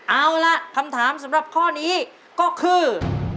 เอาล่ะคำถามสำหรับข้อนี้ก็คือ